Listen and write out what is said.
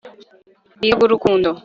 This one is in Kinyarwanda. bwiza bw' urukundo